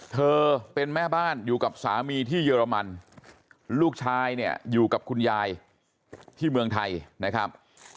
เธอเป็นแม่บ้านอยู่กับสามีที่เยอรมันลูกชายเนี่ยอยู่กับคุณยายที่เมืองไทยนะครับ